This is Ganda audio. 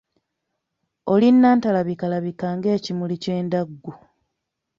Oli nnantalabikalabika ng'ekimuli ky'endaggu.